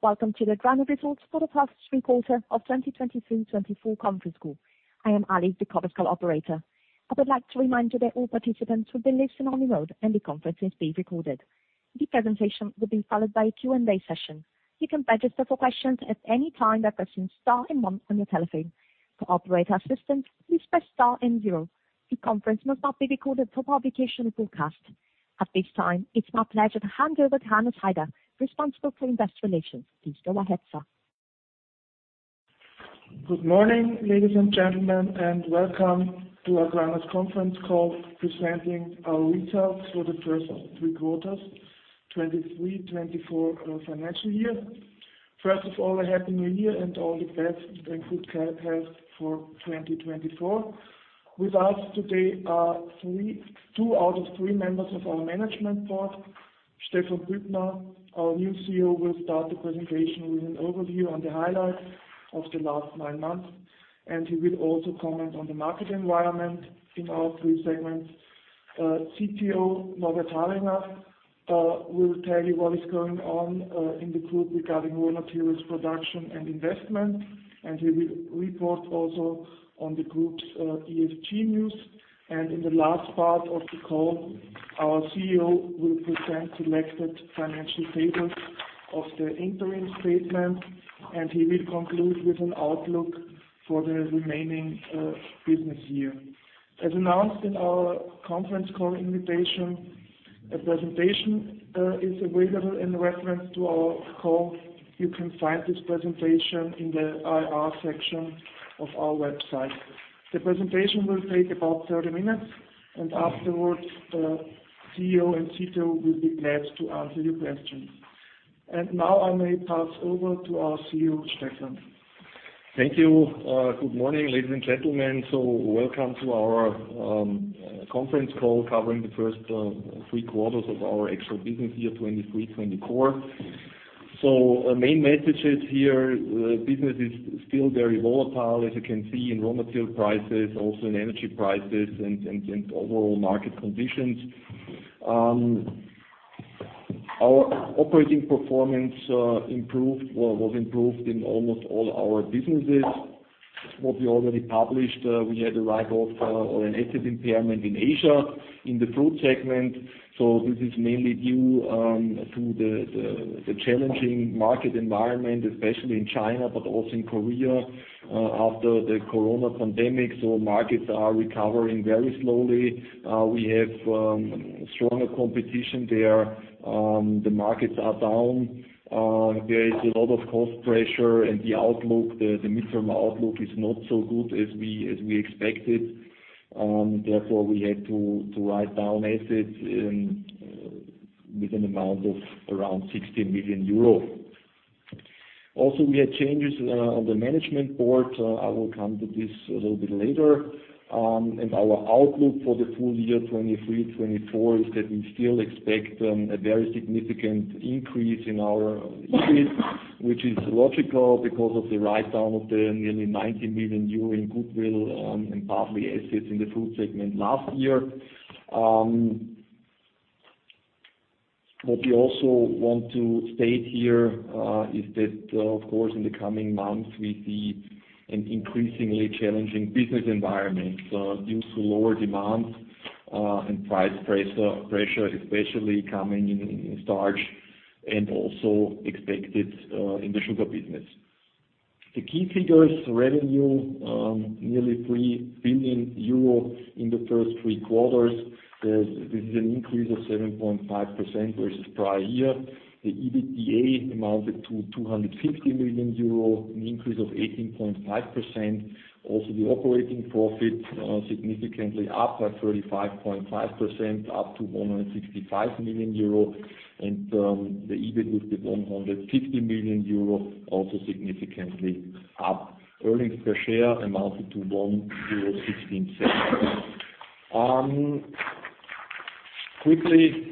Welcome to the AGRANA results for the first quarter of 2023/24 conference call. I am Ali, the conference call operator. I would like to remind you that all participants will be in listen-only mode and the conference is being recorded. The presentation will be followed by a Q&A session. You can register for questions at any time by pressing star and one on your telephone. For operator assistance, please press star and zero. The conference must not be recorded for publication or broadcast. At this time, it's my pleasure to hand over to Hannes Haider, responsible for Investor Relations. Please go ahead, sir. Good morning, ladies and gentlemen, and welcome to our AGRANA's conference call, presenting our results for the first three quarters, 2023-24, financial year. First of all, a Happy New Year and all the best and good health for 2024. With us today are two out of three members of our management board. Stephan Büttner, our new CEO, will start the presentation with an overview on the highlights of the last nine months, and he will also comment on the market environment in our three segments. CTO, Norbert Harringer, will tell you what is going on in the group regarding raw materials, production, and investment, and he will report also on the group's ESG news. And in the last part of the call, our CEO will present selected financial tables of the interim statement, and he will conclude with an outlook for the remaining business year. As announced in our conference call invitation, a presentation is available in reference to our call. You can find this presentation in the IR section of our website. The presentation will take about 30 minutes, and afterwards, the CEO and CTO will be glad to answer your questions. And now I may pass over to our CEO, Stephan. Thank you. Good morning, ladies and gentlemen. Welcome to our conference call covering the first 3 quarters of our actual business year 2023-2024. Our main messages here, business is still very volatile, as you can see, in raw material prices, also in energy prices and overall market conditions. Our operating performance improved or was improved in almost all our businesses. What we already published, we had a write-off or an asset impairment in Asia in the fruit segment. This is mainly due to the challenging market environment, especially in China, but also in Korea after the COVID pandemic. Markets are recovering very slowly. We have stronger competition there. The markets are down, there is a lot of cost pressure and the outlook, the midterm outlook is not so good as we expected. Therefore, we had to write down assets with an amount of around 60 million euro. Also, we had changes on the management board. I will come to this a little bit later. And our outlook for the full year 2023-2024 is that we still expect a very significant increase in our EBIT, which is logical because of the write-down of nearly 90 million euro in goodwill and partly assets in the food segment last year. What we also want to state here is that, of course, in the coming months, we see an increasingly challenging business environment due to lower demand and price pressure, especially coming in starch and also expected in the sugar business. The key figures, revenue nearly 3 billion euro in the first three quarters. This is an increase of 7.5% versus prior year. The EBITDA amounted to 260 million euro, an increase of 18.5%. Also, the operating profit significantly up by 35.5%, up to 165 million euro. The EBIT with 150 million euro, also significantly up. Earnings per share amounted to 1.16 euro. Quickly,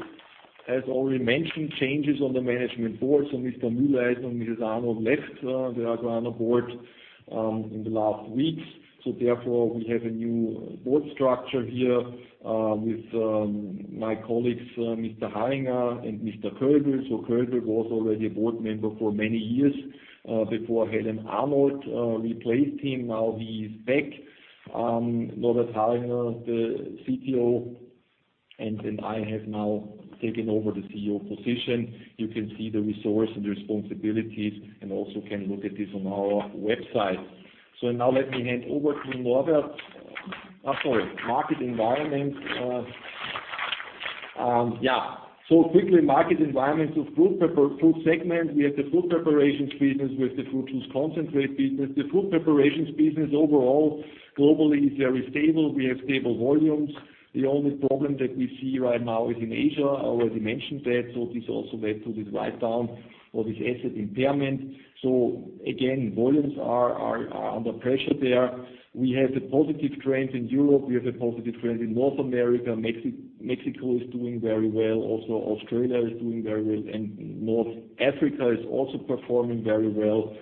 as already mentioned, changes on the management board, so Mr. Mühleisen and Mrs. Arnold left the AGRANA board in the last weeks. So therefore, we have a new board structure here with my colleagues Mr. Harringer and Mr. Kölbl. So Kölbl was already a board member for many years before Helmut Arnold replaced him. Now he is back, Norbert Harringer, the CTO, and then I have now taken over the CEO position. You can see the resources and responsibilities and also can look at this on our website. So now let me hand over to Norbert. I'm sorry, market environment, yeah. So quickly, market environment of the fruit segment. We have the fruit preparations business with the fruit juice concentrate business. The fruit preparations business overall, globally is very stable. We have stable volumes. The only problem that we see right now is in Asia. I already mentioned that, so this also led to this write-down or this asset impairment. So again, volumes are under pressure there. We have a positive trend in Europe. We have a positive trend in North America. Mexico is doing very well, also Australia is doing very well, and North Africa is also performing very well.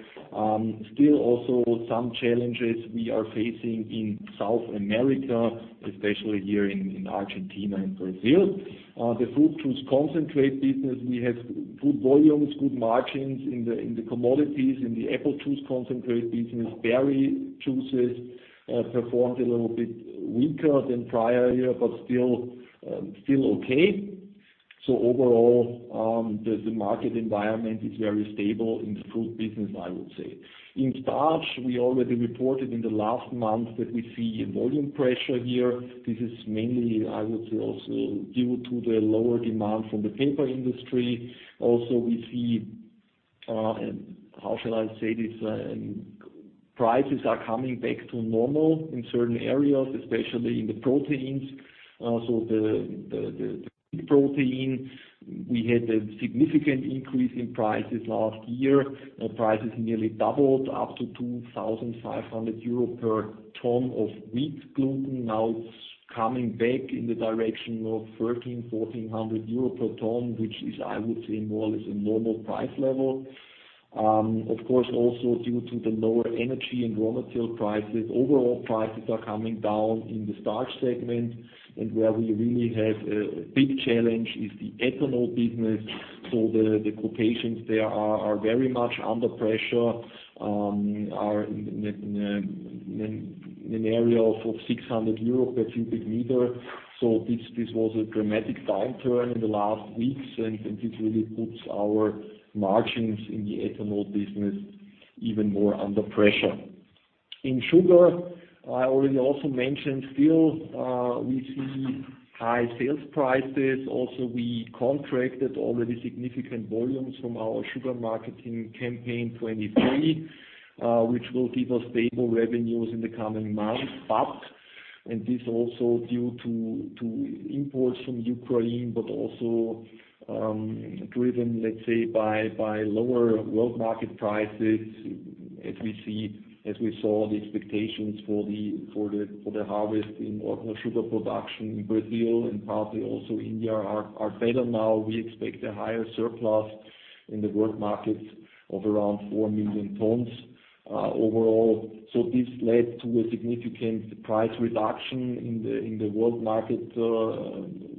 Still also some challenges we are facing in South America, especially in Argentina and Brazil. The fruit juice concentrate business, we have good volumes, good margins in the commodities, in the apple juice concentrate business. Berry juices performed a little bit weaker than prior year, but still okay. So overall, the market environment is very stable in the fruit business, I would say. In starch, we already reported in the last month that we see a volume pressure here. This is mainly, I would say, also due to the lower demand from the paper industry. Also, we see, and how shall I say this? Prices are coming back to normal in certain areas, especially in the proteins. So the protein, we had a significant increase in prices last year, and prices nearly doubled up to 2,500 euro per ton of wheat gluten. Now, it's coming back in the direction of 1,300-1,400 euro per ton, which is, I would say, more or less, a normal price level. Of course, also, due to the lower energy and raw material prices, overall prices are coming down in the starch segment, and where we really have a big challenge is the ethanol business. So the quotations there are very much under pressure, are in an area of 600 euro per cubic meter. So this was a dramatic downturn in the last weeks, and this really puts our margins in the ethanol business even more under pressure. In sugar, I already also mentioned still, we see high sales prices. Also, we contracted already significant volumes from our sugar marketing campaign 2023, which will give us stable revenues in the coming months. But and this also due to imports from Ukraine, but also driven, let's say, by lower world market prices, as we saw, the expectations for the harvest in ordinary sugar production in Brazil and partly also India are better now. We expect a higher surplus in the world markets of around 4 million tons overall. So this led to a significant price reduction in the world market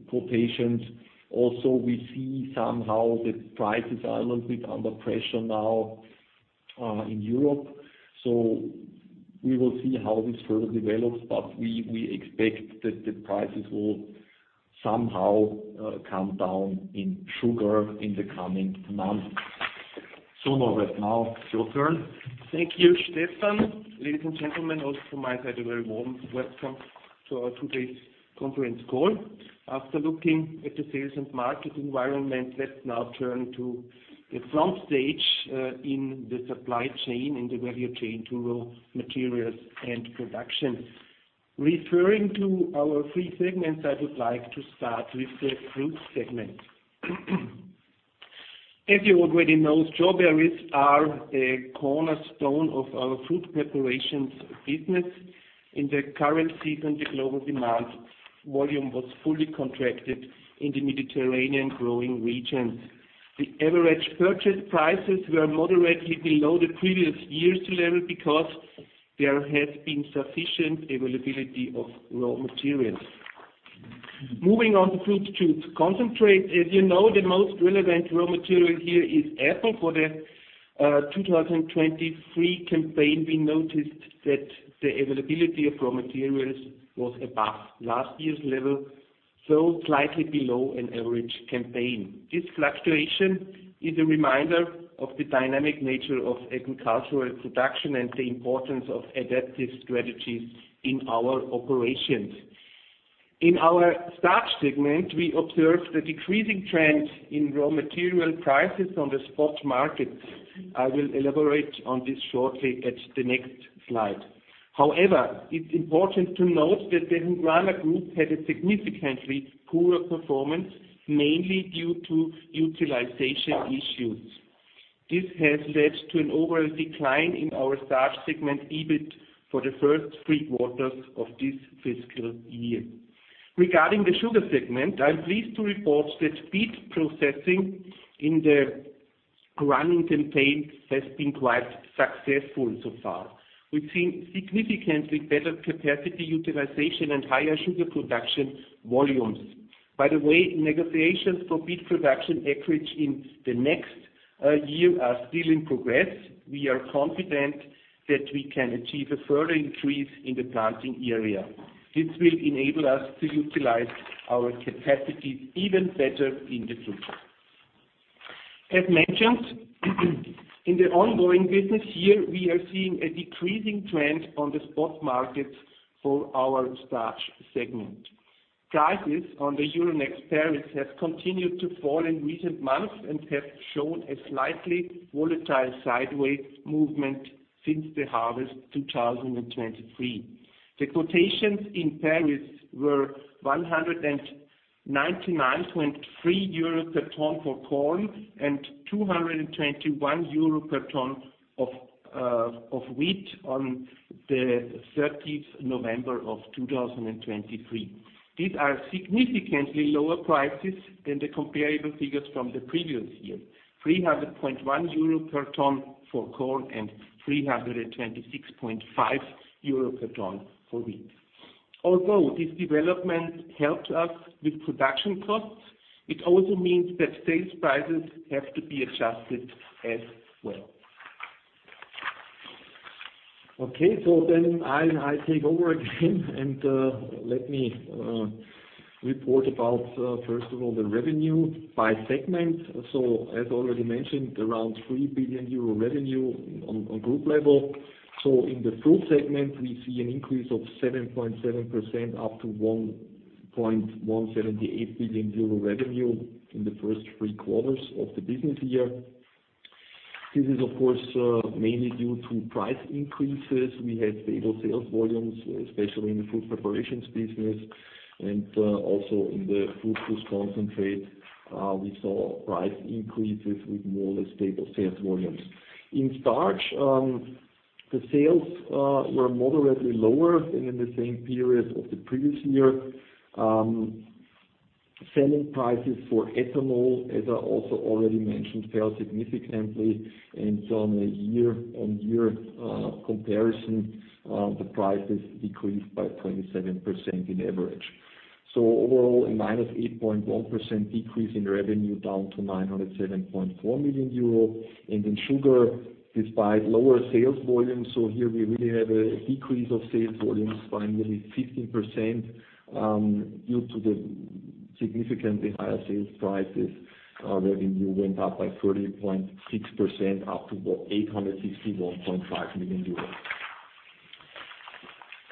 quotations. Also, we see somehow the prices are a little bit under pressure now in Europe. So we will see how this further develops, but we expect that the prices will somehow come down in sugar in the coming months. So now, your turn. Thank you, Stephan. Ladies and gentlemen, also from my side, a very warm welcome to our today's conference call. After looking at the sales and market environment, let's now turn to the front stage in the supply chain, in the value chain to raw materials and production. Referring to our three segments, I would like to start with the fruit segment. As you already know, strawberries are a cornerstone of our fruit preparations business. In the current season, the global demand volume was fully contracted in the Mediterranean growing regions. The average purchase prices were moderately below the previous year's level because there has been sufficient availability of raw materials. Moving on to fruit juice concentrate, as you know, the most relevant raw material here is apple. For the 2023 campaign, we noticed that the availability of raw materials was above last year's level, so slightly below an average campaign. This fluctuation is a reminder of the dynamic nature of agricultural production and the importance of adaptive strategies in our operations. In our starch segment, we observed a decreasing trend in raw material prices on the spot market. I will elaborate on this shortly at the next slide. However, it's important to note that the Hungrana group had a significantly poorer performance, mainly due to utilization issues. This has led to an overall decline in our starch segment EBIT for the first three quarters of this fiscal year. Regarding the sugar segment, I'm pleased to report that beet processing in the running campaign has been quite successful so far. We've seen significantly better capacity utilization and higher sugar production volumes. By the way, negotiations for beet production acreage in the next year are still in progress. We are confident that we can achieve a further increase in the planting area. This will enable us to utilize our capacity even better in the future. As mentioned, in the ongoing business year, we are seeing a decreasing trend on the spot market for our starch segment. Prices on the Euronext Paris have continued to fall in recent months and have shown a slightly volatile sideways movement since the harvest 2023. The quotations in Paris were 199.3 euro per ton for corn, and 221 euro per ton of wheat on the 30 November 2023. These are significantly lower prices than the comparable figures from the previous year, 300.1 euro per ton for corn and 326.5 euro per ton for wheat. Although this development helped us with production costs, it also means that sales prices have to be adjusted as well.... Okay, so then I take over again and let me report about first of all, the revenue by segment. So as already mentioned, around 3 billion euro revenue on group level. So in the fruit segment, we see an increase of 7.7% up to 1.178 billion euro revenue in the first three quarters of the business year. This is, of course, mainly due to price increases. We had stable sales volumes, especially in the food preparations business and also in the fructose concentrate, we saw price increases with more or less stable sales volumes. In starch, the sales were moderately lower than in the same period of the previous year. Selling prices for ethanol, as I also already mentioned, fell significantly, and so on a year-on-year comparison, the prices decreased by 27% in average. So overall, a -8.1% decrease in revenue, down to 907.4 million euro. In sugar, despite lower sales volumes, so here we really have a decrease of sales volumes by nearly 15%, due to the significantly higher sales prices, revenue went up by 13.6%, up to EUR 861.5 million.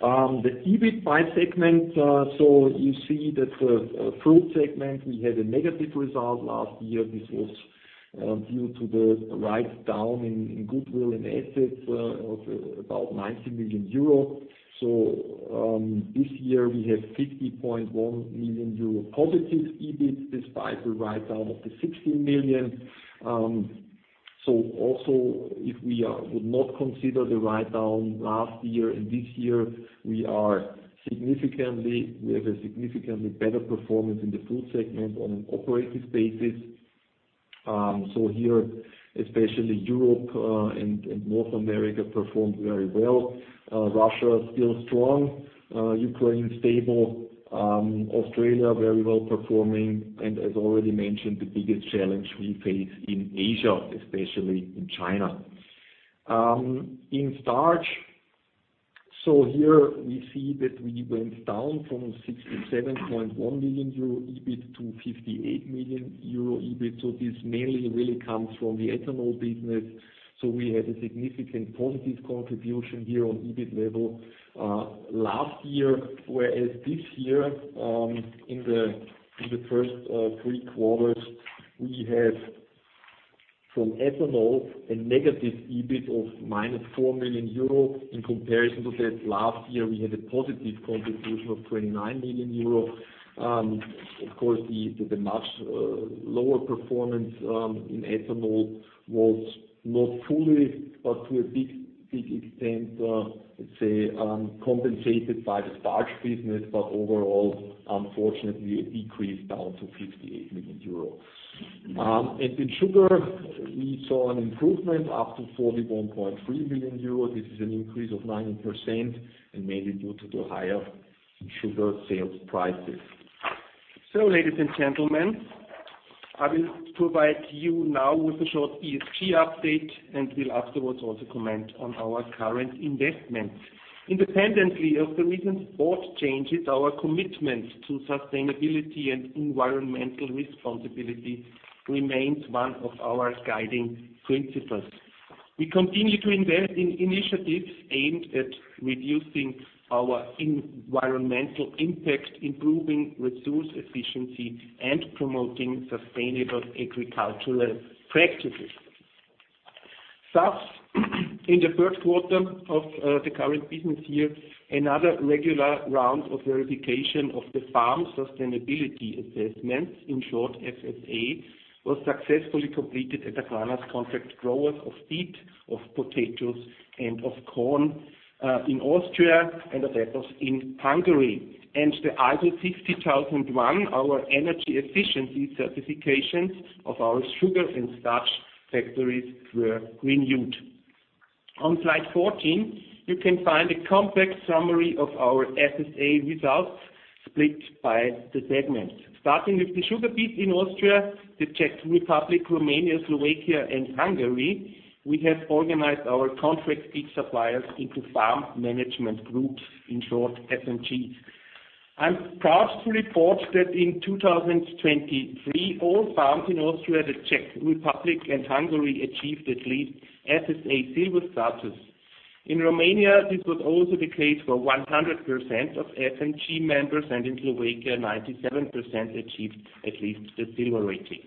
The EBIT by segment, so you see that the fruit segment, we had a negative result last year. This was due to the write-down in goodwill and assets of about 90 million euro. This year we have 50.1 million euro positive EBIT, despite the write-down of the 16 million. Also, if we would not consider the write-down last year and this year, we have a significantly better performance in the food segment on an operating basis. Here, especially Europe and North America performed very well. Russia, still strong, Ukraine, stable, Australia, very well-performing, and as already mentioned, the biggest challenge we face in Asia, especially in China. In starch, we see that we went down from 67.1 million euro EBIT to 58 million euro EBIT. This mainly really comes from the ethanol business. So we had a significant positive contribution here on EBIT level, last year, whereas this year, in the first three quarters, we had from ethanol, a negative EBIT of -4 million euro. In comparison to that, last year, we had a positive contribution of 29 million euro. Of course, the much lower performance in ethanol was not fully, but to a big, big extent, let's say, compensated by the starch business, but overall, unfortunately, a decrease down to 58 million euros. And in sugar, we saw an improvement up to 41.3 million euros. This is an increase of 19%, and mainly due to the higher sugar sales prices. So ladies and gentlemen, I will provide you now with a short ESG update, and will afterwards also comment on our current investments. Independently of the recent board changes, our commitment to sustainability and environmental responsibility remains one of our guiding principles. We continue to invest in initiatives aimed at reducing our environmental impact, improving resource efficiency, and promoting sustainable agricultural practices. Thus, in the third quarter of the current business year, another regular round of verification of the Farm Sustainability Assessments, in short, FSA, was successfully completed at AGRANA's contract growers of beet, of potatoes, and of corn in Austria, and others in Hungary. The ISO 50001, our energy efficiency certifications of our sugar and starch factories were renewed. On slide 14, you can find a complex summary of our FSA results, split by the segments. Starting with the sugar beet in Austria, the Czech Republic, Romania, Slovakia, and Hungary, we have organized our contract beet suppliers into Farm Management Groups, in short, FMGs. I'm proud to report that in 2023, all farms in Austria, the Czech Republic, and Hungary achieved at least FSA silver status. In Romania, this was also the case for 100% of FMG members, and in Slovakia, 97% achieved at least the silver rating.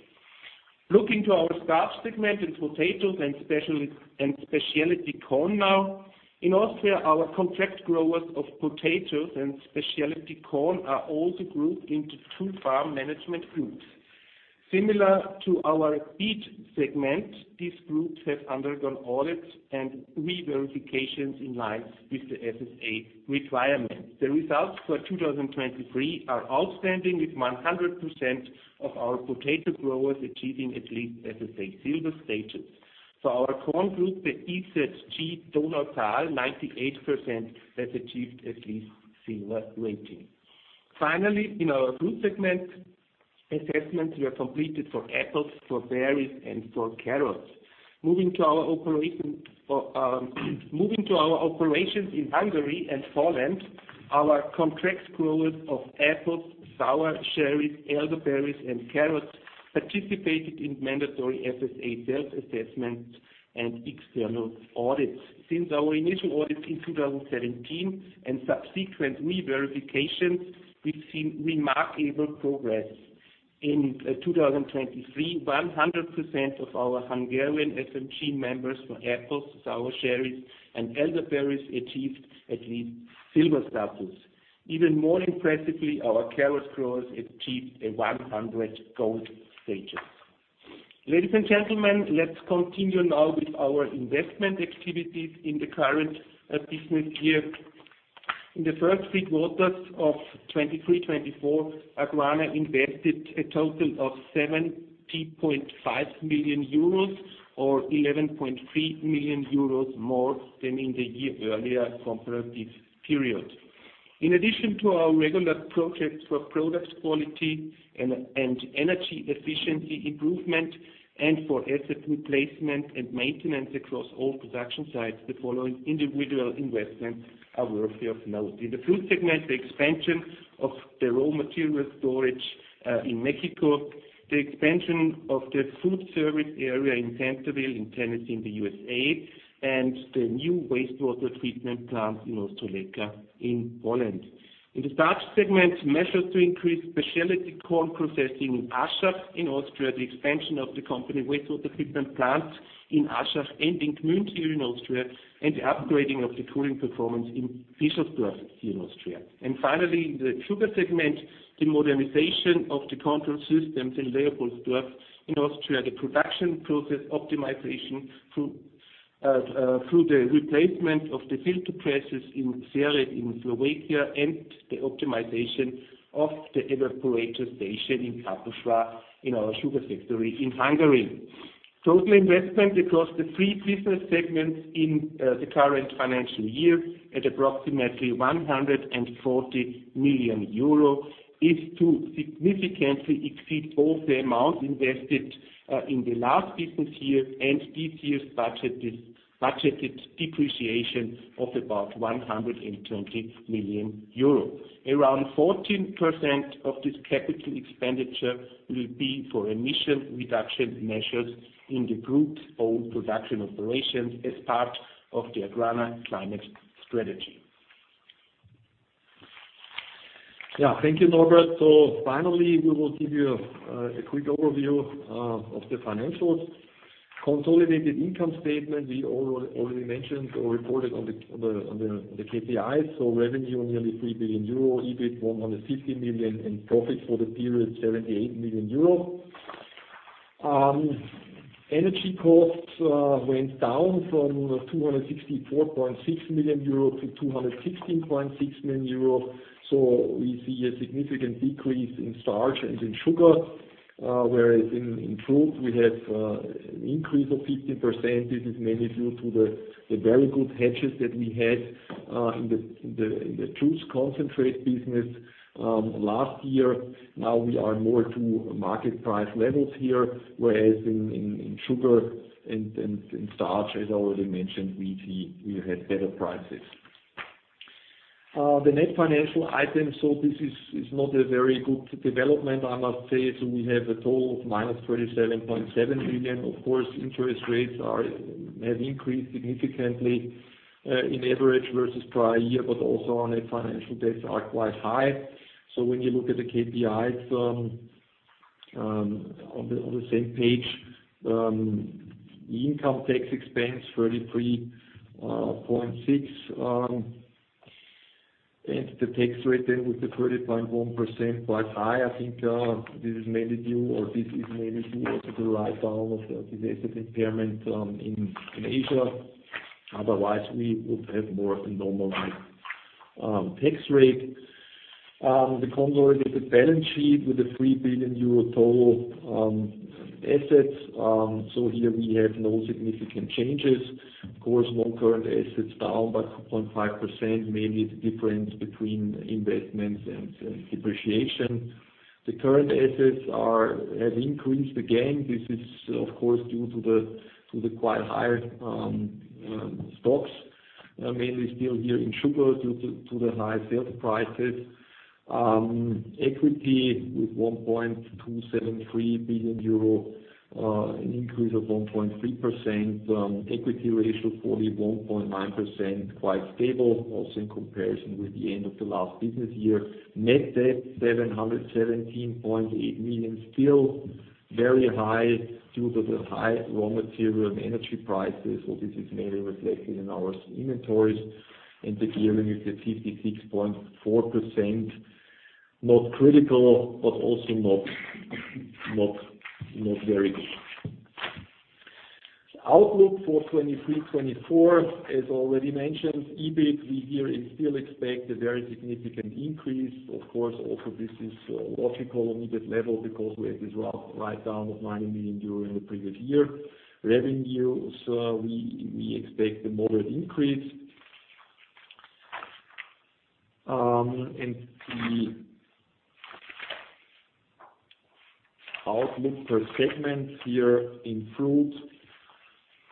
Looking to our starch segment, and potatoes, and special- and specialty corn now. In Austria, our contract growers of potatoes and specialty corn are all grouped into two farm management groups. Similar to our beet segment, these groups have undergone audits and re-verifications in line with the FSA requirements. The results for 2023 are outstanding, with 100% of our potato growers achieving at least FSA silver status. So our corn group, the EZG Donautal, 98% has achieved at least silver rating. Finally, in our fruit segment- ... assessments were completed for apples, for berries, and for carrots. Moving to our operation, moving to our operations in Hungary and Poland, our contract growers of apples, sour cherries, elderberries, and carrots participated in mandatory FSA self-assessments and external audits. Since our initial audit in 2017 and subsequent re-verifications, we've seen remarkable progress. In 2023, 100% of our Hungarian FMG members for apples, sour cherries, and elderberries achieved at least silver status. Even more impressively, our carrot growers achieved a 100% gold status. Ladies and gentlemen, let's continue now with our investment activities in the current business year. In the first three quarters of 2023-2024, AGRANA invested a total of 70.5 million euros, or 11.3 million euros more than in the year-earlier comparative period. In addition to our regular projects for product quality and energy efficiency improvement and for asset replacement and maintenance across all production sites, the following individual investments are worthy of note. In the fruit segment, the expansion of the raw material storage in Mexico, the expansion of the food service area in Centerville, in Tennessee, in the USA, and the new wastewater treatment plant in Ostrołęka in Poland. In the starch segment, measures to increase specialty corn processing in Aschach, in Austria, the expansion of the company wastewater treatment plant in Aschach and in Gmünd, here in Austria, and the upgrading of the cooling performance in Fischamend, here in Austria. Finally, the sugar segment, the modernization of the control systems in Leopoldsdorf, in Austria, the production process optimization through the replacement of the filter presses in Ziere, in Slovakia, and the optimization of the evaporator station in Kaposvár, in our sugar factory in Hungary. Total investment across the three business segments in the current financial year at approximately 140 million euro is to significantly exceed all the amounts invested in the last business year, and this year's budgeted depreciation of about 120 million euros. Around 14% of this capital expenditure will be for emission reduction measures in the group's own production operations as part of the AGRANA Climate Strategy. Yeah, thank you, Norbert. So finally, we will give you a quick overview of the financials. Consolidated income statement, we already mentioned or reported on the KPIs. So revenue, nearly 3 billion euro, EBIT, 150 million, and profit for the period, 78 million euro. Energy costs went down from 264.6 million euro to 216.6 million euro. So we see a significant decrease in starch and in sugar, whereas in fruit, we have an increase of 50%. This is mainly due to the very good hedges that we had in the juice concentrate business last year. Now we are more to market price levels here, whereas in sugar and in starch, as I already mentioned, we see we have better prices. The net financial items, so this is not a very good development, I must say. So we have a total of -37.7 million. Of course, interest rates have increased significantly, in average versus prior year, but also on a financial debts are quite high. So when you look at the KPIs, on the same page, the income tax expense, 33.6 million, and the tax rate then with the 30.1%, quite high. I think this is mainly due to the write down of the asset impairment in Asia. Otherwise, we would have more a normal tax rate. The consolidated balance sheet with the 3 billion euro total assets. So here we have no significant changes. Of course, non-current assets down by 2.5%, mainly the difference between investments and depreciation. The current assets have increased again. This is of course due to the quite higher stocks, mainly still here in sugar, due to the high sales prices. Equity with 1.273 billion euro, an increase of 1.3%. Equity ratio, 41.9%, quite stable, also in comparison with the end of the last business year. Net debt, 717.8 million, still very high due to the high raw material and energy prices, so this is mainly reflected in our inventories. The gearing is at 56.4%, not critical, but also not very good. Outlook for 2023-2024, as already mentioned, EBIT, we here still expect a very significant increase. Of course, also this is logical on this level because we had this write down of 90 million in the previous year. Revenue, so we expect a moderate increase. And the outlook per segment here in fruit,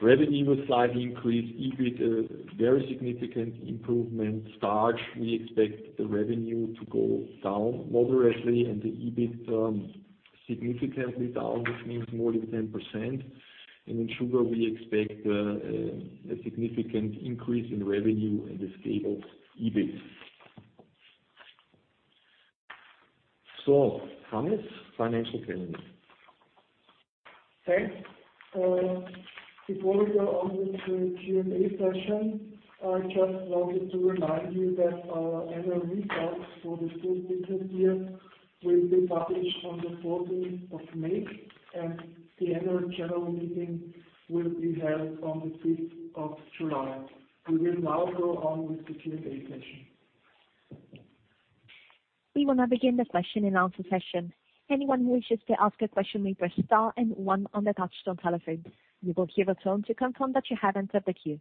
revenue will slightly increase, EBIT, a very significant improvement. Starch, we expect the revenue to go down moderately and the EBIT significantly down, which means more than 10%. And in sugar, we expect a significant increase in revenue and a stable EBIT. So Hannes, financial planning. Thanks. Before we go on with the Q&A session, I just wanted to remind you that our annual results for the full business year will be published on the fourteenth of May, and the annual general meeting will be held on the fifth of July. We will now go on with the Q&A session. We will now begin the question and answer session. Anyone who wishes to ask a question may press star and one on their touchtone telephone. You will hear a tone to confirm that you have entered the queue.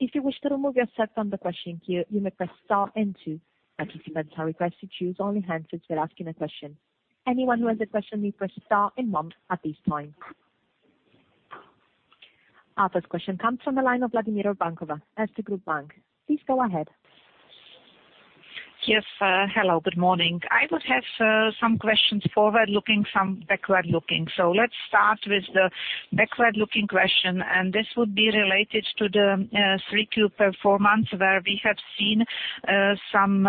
If you wish to remove yourself from the question queue, you may press star and two. I just request you to use only answers when asking a question. Anyone who has a question, may press star and one at this time. Our first question comes from the line of Vladimira Urbankova, Erste Group Bank. Please go ahead. Yes, hello, good morning. I would have some questions forward-looking, some backward-looking. So let's start with the backward-looking question, and this would be related to the 3Q performance, where we have seen some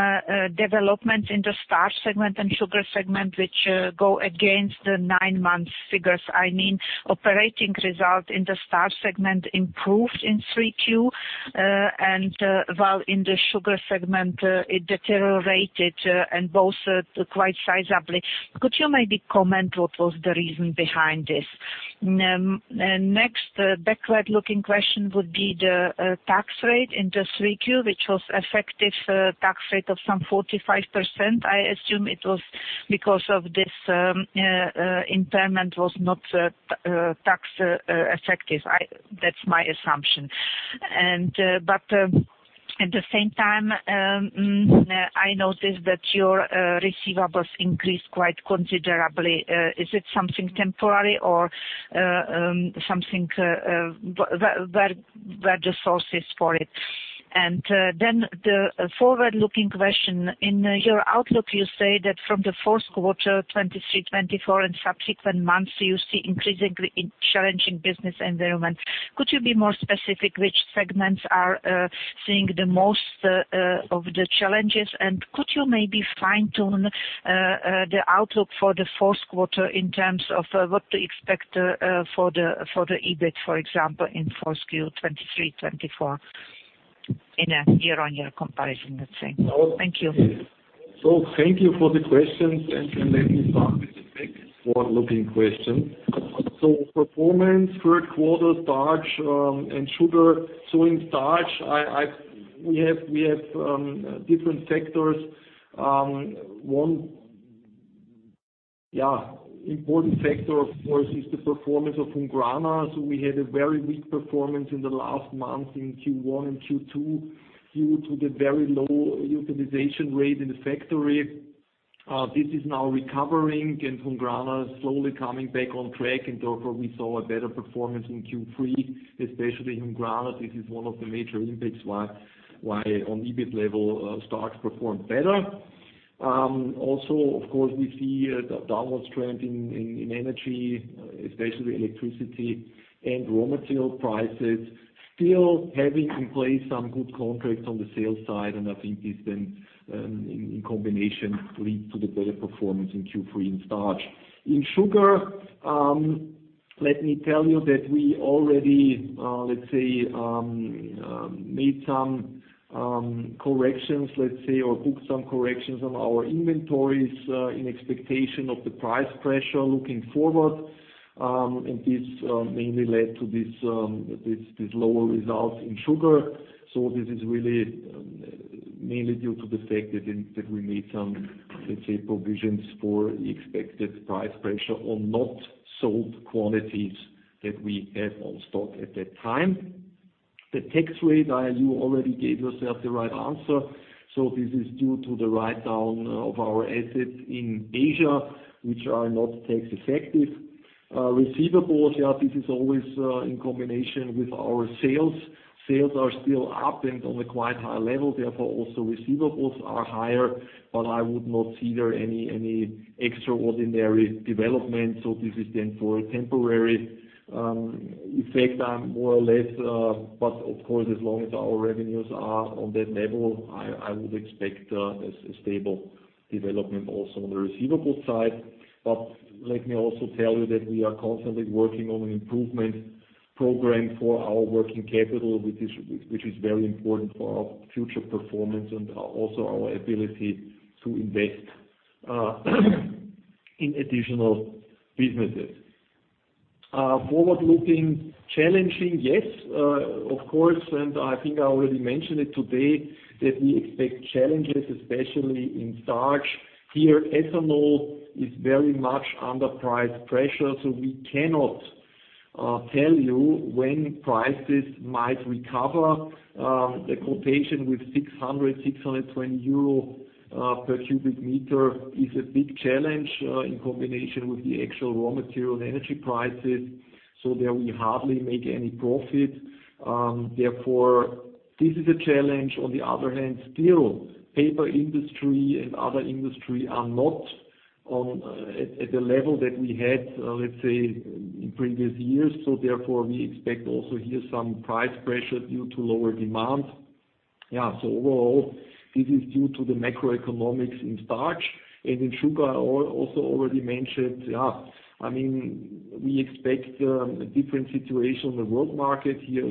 development in the starch segment and sugar segment, which go against the nine-month figures. I mean, operating results in the starch segment improved in 3Q, and while in the sugar segment it deteriorated, and both quite sizably. Could you maybe comment what was the reason behind this? And next, backward-looking question would be the tax rate in the 3Q, which was effective tax rate of some 45%. I assume it was because of this impairment was not tax effective. That's my assumption. But at the same time, I noticed that your receivables increased quite considerably. Is it something temporary or something where the source is for it? Then the forward-looking question: in your outlook, you say that from the fourth quarter, 2023, 2024, and subsequent months, you see increasingly challenging business environment. Could you be more specific, which segments are seeing the most of the challenges? And could you maybe fine-tune the outlook for the fourth quarter in terms of what to expect for the EBIT, for example, in fourth Q, 2023, 2024, in a year-on-year comparison, let's say. Thank you. So thank you for the questions, and let me start with the backward-looking question. So performance, third quarter, starch, and sugar. So in starch, we have different factors. One, yeah, important factor, of course, is the performance of Hungrana. So we had a very weak performance in the last month in Q1 and Q2, due to the very low utilization rate in the factory. This is now recovering, and Hungrana is slowly coming back on track, and therefore, we saw a better performance in Q3, especially Hungrana. This is one of the major impacts why on EBIT level, starch performed better. Of course, we see a downwards trend in energy, especially electricity and raw material prices, still having in place some good contracts on the sales side, and I think this then, in combination, lead to the better performance in Q3 in starch. In sugar, let me tell you that we already, let's say, made some corrections, let's say, or booked some corrections on our inventories, in expectation of the price pressure looking forward. This mainly led to this lower result in sugar. This is really mainly due to the fact that we made some, let's say, provisions for the expected price pressure on not sold quantities that we had on stock at that time. The tax rate, as you already gave yourself the right answer, so this is due to the write-down of our assets in Asia, which are not tax effective. Receivables, yeah, this is always in combination with our sales. Sales are still up and on a quite high level, therefore, also receivables are higher, but I would not see there any extraordinary development. So this is then for a temporary effect, more or less. But of course, as long as our revenues are on that level, I would expect a stable development also on the receivable side. But let me also tell you that we are constantly working on an improvement program for our working capital, which is very important for our future performance and also our ability to invest in additional businesses. Forward-looking, challenging, yes, of course, and I think I already mentioned it today that we expect challenges, especially in starch. Here, ethanol is very much under price pressure, so we cannot tell you when prices might recover. The quotation with 620 euro per cubic meter is a big challenge in combination with the actual raw material and energy prices, so there we hardly make any profit. Therefore, this is a challenge. On the other hand, still, paper industry and other industry are not on, at, at the level that we had, let's say, in previous years. So therefore, we expect also here some price pressure due to lower demand. Yeah, so overall, this is due to the macroeconomics in starch and in sugar, also already mentioned. Yeah, I mean, we expect a different situation in the world market. Here,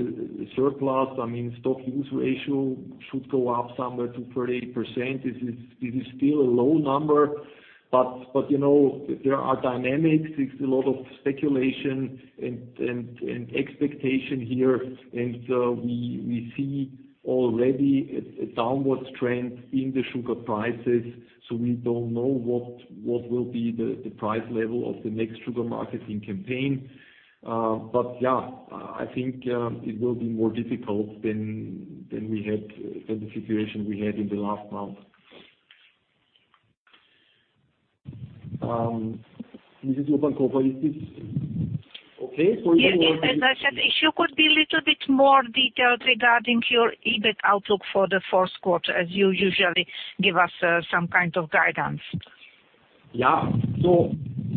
surplus, I mean, stock use ratio should go up somewhere to 38%. It is still a low number, but, you know, there are dynamics. It's a lot of speculation and expectation here, and we see already a downward trend in the sugar prices, so we don't know what will be the price level of the next sugar marketing campaign. But, yeah, I think it will be more difficult than the situation we had in the last month. This is open call. Is this okay for you or- Yes, as I said, if you could be a little bit more detailed regarding your EBIT outlook for the fourth quarter, as you usually give us, some kind of guidance? Yeah. So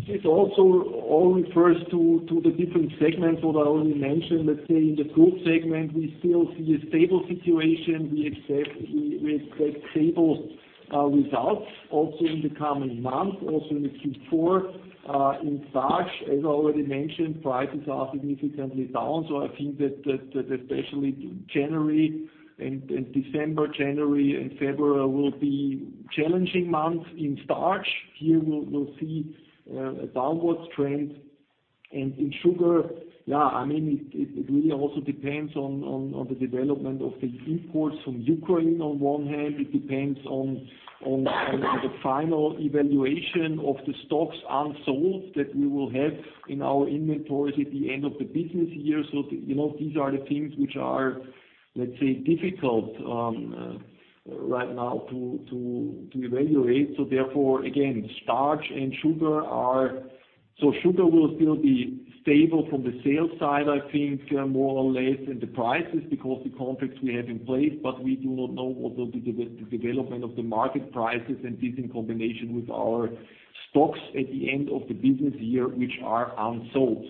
this also all refers to the different segments what I already mentioned. Let's say, in the group segment, we still see a stable situation. We expect stable results also in the coming months, also in the Q4. In starch, as already mentioned, prices are significantly down, so I think that especially December, January and February will be challenging months in starch. Here, we'll see a downward trend. And in sugar, yeah, I mean, it really also depends on the development of the imports from Ukraine. On one hand, it depends on the final evaluation of the stocks unsold that we will have in our inventories at the end of the business year. So, you know, these are the things which are, let's say, difficult right now to evaluate. So therefore, again, starch and sugar are... So sugar will still be stable from the sales side, I think, more or less, and the prices, because the contracts we have in place, but we do not know what will be the development of the market prices, and this in combination with our stocks at the end of the business year, which are unsold.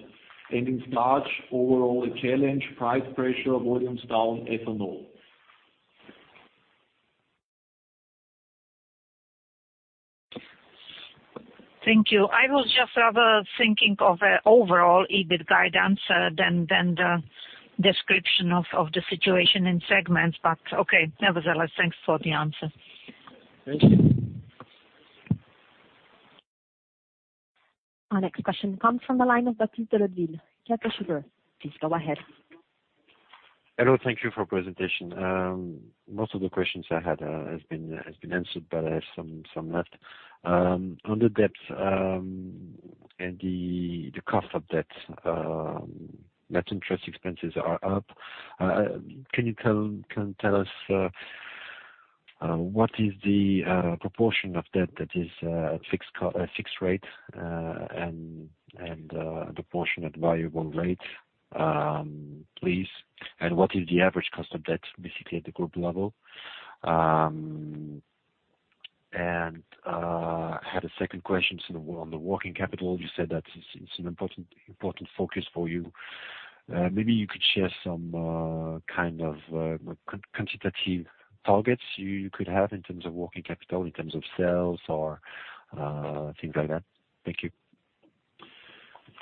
And in starch, overall, a challenge, price pressure, volumes down, ethanol. Thank you. I was just thinking of an overall EBIT guidance rather than the description of the situation in segments, but okay. Nevertheless, thanks for the answer. Thank you. Our next question comes from the line of Baptiste de Leudeville, Credit Suisse. Please go ahead. Hello, thank you for presentation. Most of the questions I had has been answered, but I have some left. On the debt and the cost of debt, net interest expenses are up. Can you tell us what is the proportion of debt that is at fixed rate and the proportion at variable rate, please? And what is the average cost of debt, basically, at the group level? And I had a second question. So on the working capital, you said that it's an important focus for you. Maybe you could share some kind of quantitative targets you could have in terms of working capital, in terms of sales or things like that. Thank you.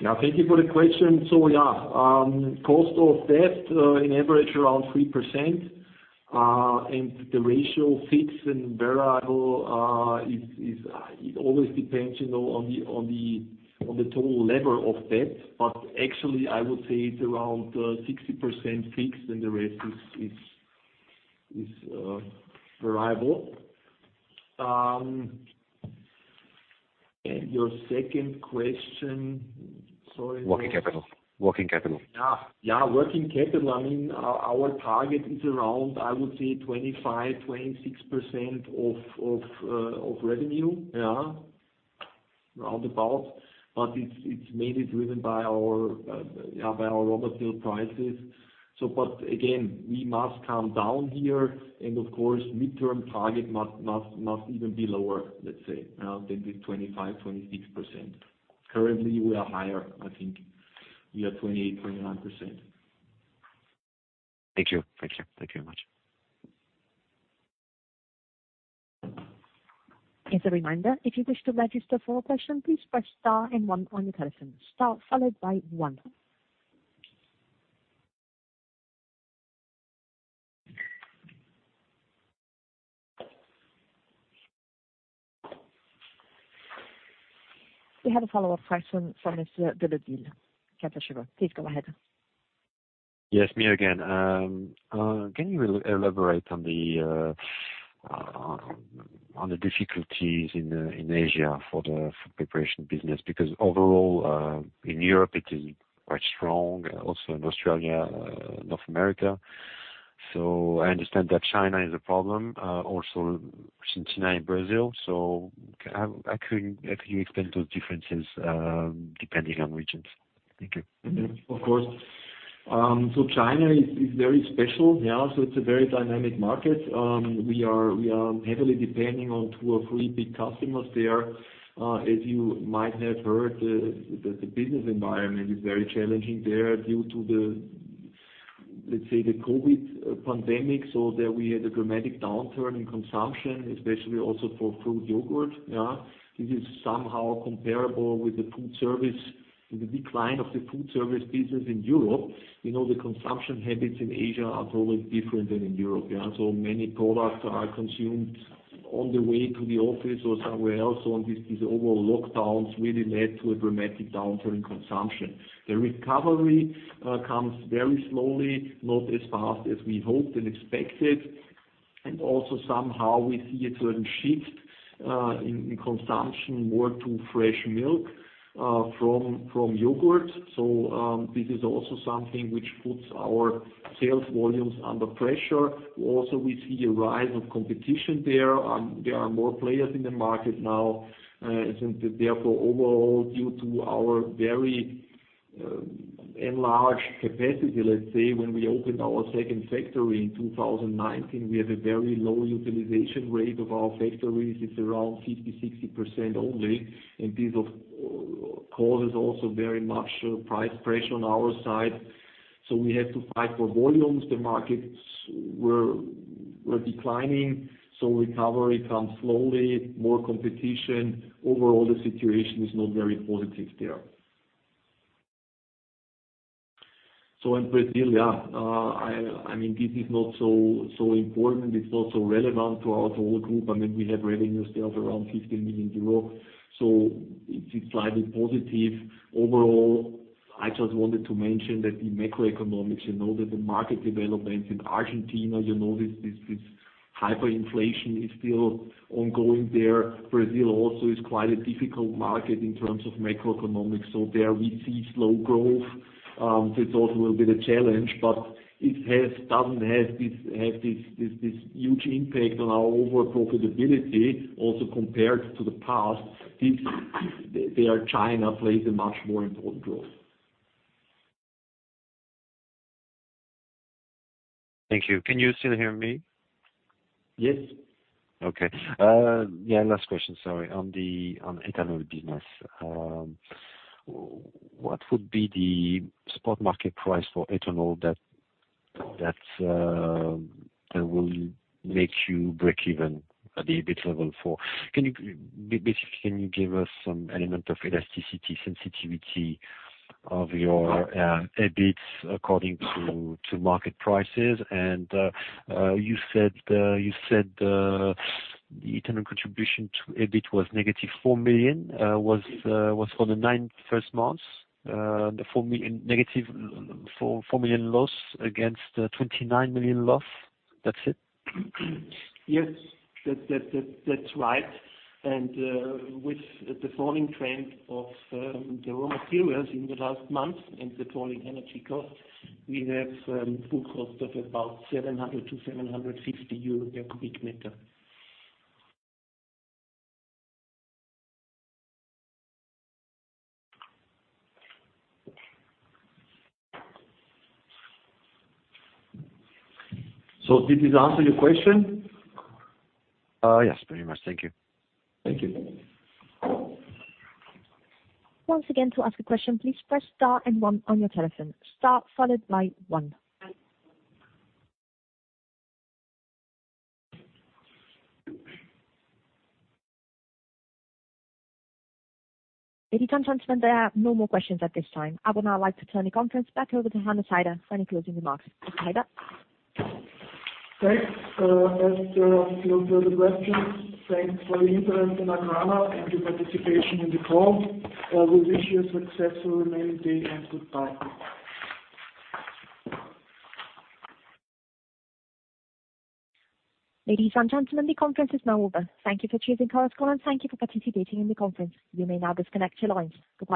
Yeah, thank you for the question. So yeah, cost of debt, in average, around 3%, and the ratio fixed and variable, is, it always depends, you know, on the total level of debt. But actually, I would say it's around, 60% fixed, and the rest is variable. And your second question, sorry. Working capital. Working capital. Ah, yeah, working capital. I mean, our target is around, I would say, 25%-26% of revenue, yeah, round about, but it's mainly driven by our raw material prices. So but again, we must come down here, and of course, midterm target must even be lower, let's say, than the 25%-26%. Currently, we are higher, I think. We are 28%-29%. Thank you. Thank you. Thank you very much. As a reminder, if you wish to register for a question, please press star and one on your telephone. Star followed by one. We have a follow-up question from Mr. de Le Vigne, Credit Suisse. Please go ahead.... Yes, me again. Can you elaborate on the difficulties in Asia for the preparation business? Because overall in Europe, it is quite strong, also in Australia, North America. So I understand that China is a problem, also Korea and Brazil. So how, actually, can you explain those differences depending on regions? Thank you. Of course. So China is very special. Yeah, so it's a very dynamic market. We are heavily depending on two or three big customers there. As you might have heard, the business environment is very challenging there due to the, let's say, the COVID pandemic, so there we had a dramatic downturn in consumption, especially also for fruit yogurt, yeah. This is somehow comparable with the food service, with the decline of the food service business in Europe. You know, the consumption habits in Asia are totally different than in Europe, yeah. So many products are consumed on the way to the office or somewhere else, so on this, these overall lockdowns really led to a dramatic downturn in consumption. The recovery comes very slowly, not as fast as we hoped and expected, and also somehow we see a certain shift in consumption, more to fresh milk from yogurt. So this is also something which puts our sales volumes under pressure. Also, we see a rise of competition there. There are more players in the market now, and therefore, overall, due to our very enlarged capacity, let's say, when we opened our second factory in 2019, we have a very low utilization rate of our factories. It's around 50%-60% only, and this of course is also very much price pressure on our side. So we had to fight for volumes. The markets were declining, so recovery comes slowly, more competition. Overall, the situation is not very positive there. So in Brazil, yeah, I mean, this is not so important. It's not so relevant to our whole group. I mean, we have revenue sales around 15 million euro, so it's slightly positive. Overall, I just wanted to mention that the macroeconomics, you know, that the market developments in Argentina, you know, this hyperinflation is still ongoing there. Brazil also is quite a difficult market in terms of macroeconomics, so there we see slow growth. This also will be the challenge, but it doesn't have this huge impact on our overall profitability, also compared to the past. It. There, China plays a much more important role. Thank you. Can you still hear me? Yes. Okay, yeah, last question. Sorry, on the, on internal business. What would be the spot market price for ethanol that will make you break even at the EBIT level for... Can you basically, can you give us some element of elasticity, sensitivity of your EBITs according to market prices? And you said the internal contribution to EBIT was negative 4 million, was for the nine first months, the four million negative, 4 million loss against 29 million loss. That's it? Yes, that's right. With the falling trend of the raw materials in the last month and the falling energy cost, we have fuel cost of about 700-750 euro per cubic meter. So did this answer your question? Yes, very much. Thank you. Thank you. Once again, to ask a question, please press star and one on your telephone. Star followed by one. Ladies and gentlemen, there are no more questions at this time. I would now like to turn the conference back over to Hannes Haider for any closing remarks. Hannes Haider? Thanks, as there are no further questions. Thanks for your interest in AGRANA and your participation in the call. We wish you a successful remaining day, and goodbye. Ladies and gentlemen, the conference is now over. Thank you for choosing Chorus Call and thank you for participating in the conference. You may now disconnect your lines. Goodbye.